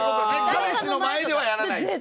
彼氏の前ではやらないっていう。